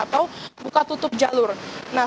atau buka tutup jalur nah